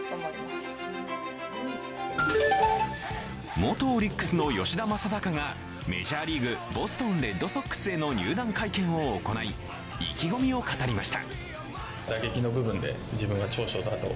元オリックスの吉田正尚がメジャーリーグボストン・レッドソックスへの入団会見を行い意気込みを語りました。